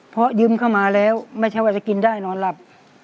เพราะยืมเข้ามาแล้วไม่ใช่ว่าจะกินได้นอนหลับ